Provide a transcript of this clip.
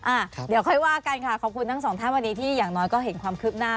อ่าเดี๋ยวค่อยว่ากันค่ะขอบคุณทั้งสองท่านวันนี้ที่อย่างน้อยก็เห็นความคืบหน้า